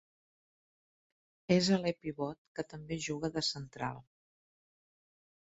És aler-pivot que també juga de central.